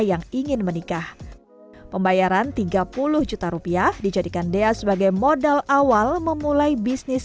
yang ingin menikah pembayaran tiga puluh juta rupiah dijadikan dea sebagai modal awal memulai bisnis